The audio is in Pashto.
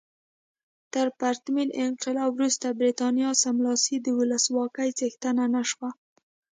تر پرتمین انقلاب وروسته برېټانیا سملاسي د ولسواکۍ څښتنه نه شوه.